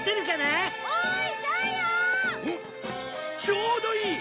ちょうどいい！